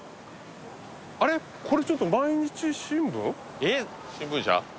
えええっ新聞社？